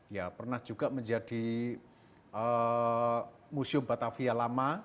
ya pernah juga menjadi museum batavia lama